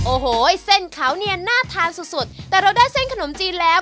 โอ้โหเส้นเขาเนี่ยน่าทานสุดสุดแต่เราได้เส้นขนมจีนแล้ว